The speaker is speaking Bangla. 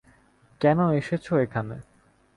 কেন এসেছ এখানে?